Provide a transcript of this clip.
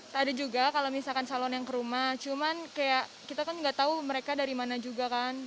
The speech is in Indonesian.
tadi juga kalau misalkan salon yang ke rumah cuman kayak kita kan gak tahu mereka dari mana juga kan